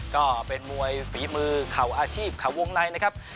ก็เป็นมวยฝีมือเข่าอาชีพเขาวงในนะครับ